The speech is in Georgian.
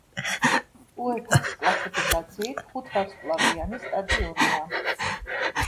უეფა-ს კლასიფიკაციით ხუთვარსკვლავიანი სტადიონია.